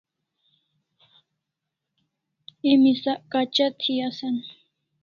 Emi sak khacha thi asan